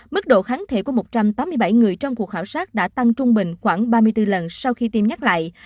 mức độ kháng thể của một trăm tám mươi bảy người trong cuộc khảo sát đã tăng trung bình khoảng ba mươi bốn lần sau khi tiêm nhắc lại